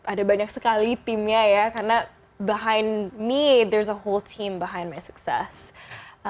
ada banyak sekali timnya ya karena di belakang saya ada sebuah tim yang di belakang kesuksesan saya